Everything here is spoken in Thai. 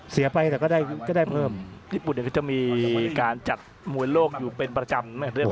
เสียไปแต่ก็ได้เพิ่มญี่ปุ่นเนี่ยก็จะมีการจัดมวยโลกอยู่เป็นประจำ